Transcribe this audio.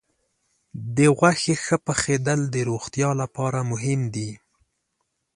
د غوښې ښه پخېدل د روغتیا لپاره مهم دي.